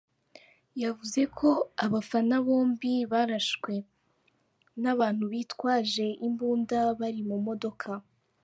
Yavuze ko aba bafana bombi barashwe n’abantu bitwaje imbunda bari mu modoka.